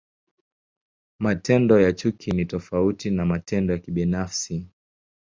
Matendo ya chuki ni tofauti na matendo ya kibinafsi.